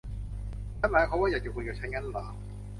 งั้นหมายความว่าอยากจะคุยกับฉันงั้นหรอ